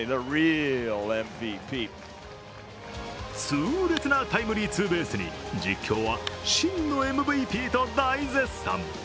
痛烈なタイムリーツーベースに実況は真のＭＶＰと大絶賛。